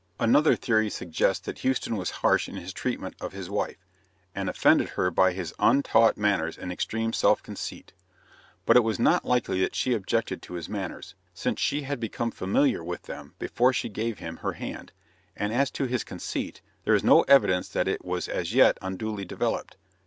Another theory suggests that Houston was harsh in his treatment of his wife, and offended her by his untaught manners and extreme self conceit. But it is not likely that she objected to his manners, since she had become familiar with them before she gave him her hand; and as to his conceit, there is no evidence that it was as yet unduly developed.